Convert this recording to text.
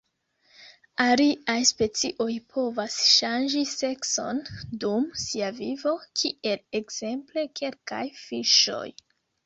Aliaj specioj povas ŝanĝi sekson dum sia vivo, kiel ekzemple kelkaj fiŝoj.